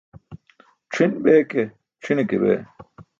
C̣ʰin be ke, c̣ʰine kay be.